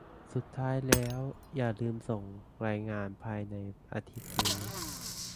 สุดท้ายแล้วอย่าลืมส่งงานภายในอาทิตย์นี้